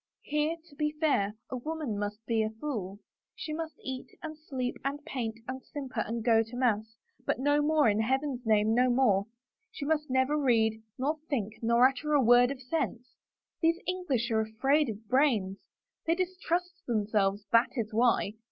" Here, to be fair, a woman must be a fool. She must eat and sleep and paint and simper and go to mass — but no more, in Heaven's name, no more I She must never read nor think nor utter a word of sense. These English are afraid of brains. They distrust them selves, that is why.